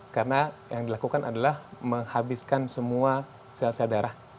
karena yang dilakukan adalah menghabiskan semua sel sel darah